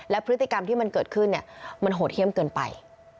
และพฤติกรรมที่มันเกิดขึ้นมันโหดเยี่ยมเกินไป